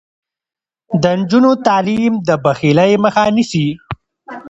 د نجونو تعلیم د بخیلۍ مخه نیسي.